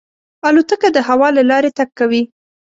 الوتکه د هوا له لارې تګ کوي.